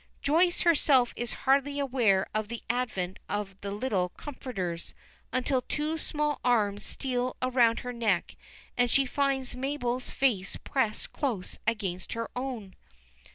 Joyce herself is hardly aware of the advent of the little comforters, until two small arms steal around her neck, and she finds Mabel's face pressed close against her own.